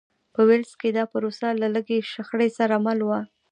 په ویلز کې دا پروسه له لږې شخړې سره مل وه.